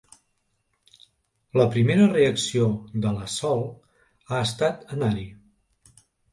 La primera reacció de la Sol ha estat anar-hi.